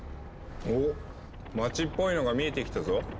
おっ街っぽいのが見えてきたぞ。